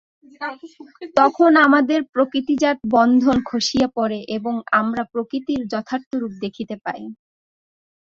তখন আমাদের প্রকৃতিজাত বন্ধন খসিয়া পড়ে এবং আমরা প্রকৃতির যথার্থ রূপ দেখিতে পাই।